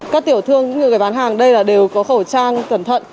các tiểu thương những người bán hàng đây đều có khẩu trang cẩn thận